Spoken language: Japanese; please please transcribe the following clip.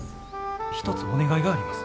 一つお願いがあります。